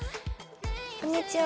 こんにちは。